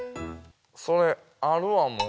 それあるわもう。